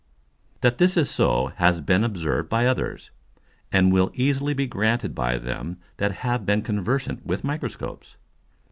_ That this is so has been observed by others, and will easily be granted by them that have been conversant with Microscopes.